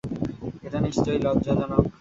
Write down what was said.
এটা নিশ্চয় লজ্জাজনক।